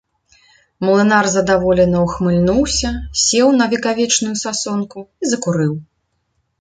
Млынар задаволена ўхмыльнуўся, сеў на векавечную сасонку і закурыў.